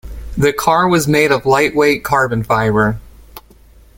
The car was made of lightweight Carbon Fibre.